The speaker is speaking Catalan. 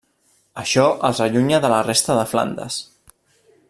Això els allunya de la resta de Flandes.